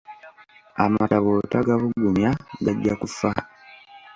Amata bw’otagabugumya gajja kufa.